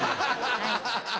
ハハハハ。